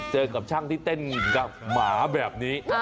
กับช่างที่เต้นกับหมาแบบนี้